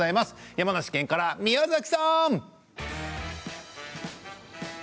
山梨県から宮崎さん！